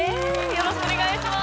よろしくお願いします。